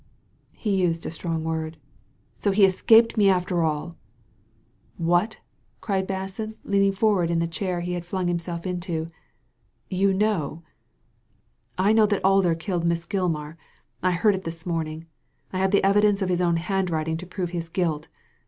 he used a strong word, so he has escaped me after all I "" What I " cried Basson, leaning forward in the chair he had flung himself into. " You know ?" *'l know that Alder killed Miss Gilmar; I heard it this morning. I have the evidence of his own handwriting to prove his guilt.